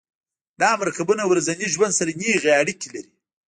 دا مرکبونه ورځني ژوند سره نیغې اړیکې لري.